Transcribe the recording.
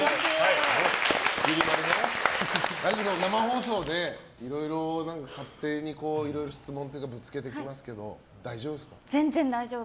生放送でいろいろ勝手に質問ぶつけていきますけど大丈夫ですか？